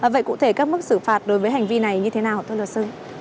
vậy cụ thể các mức xử phạt đối với hành vi này như thế nào thưa luật sư